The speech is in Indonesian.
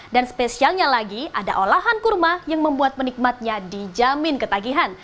dan spesialnya lagi ada olahan kurma yang membuat menikmatnya dijamin ketagihan